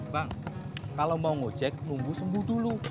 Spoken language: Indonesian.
bang kalau mau ngejek nunggu sembuh dulu